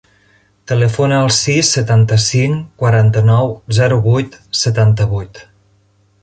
Telefona al sis, setanta-cinc, quaranta-nou, zero, vuit, setanta-vuit.